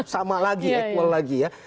sama lagi equal lagi ya